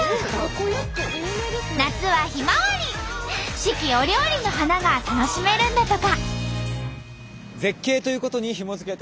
四季折々の花が楽しめるんだとか。